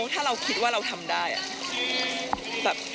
ถ้าเราคิดว่าเราทำได้